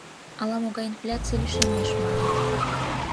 Ала-могай инфляций лишемеш, маныт.